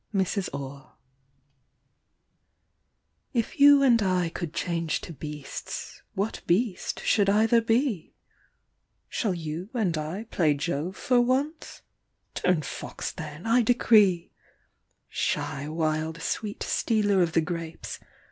MRS. ORR. If you and I could change to beasts, what beast should either be? Shall you and I play Jove for once? Turn fox then, I decree! Shy wild sweet stealer of the grapes!